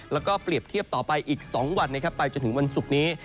แล้วก็เปรียบเทียบต่อไปอีก๒วันไปจนถึงวันศุกร์นี้